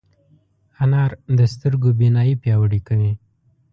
انار د سترګو بینايي پیاوړې کوي.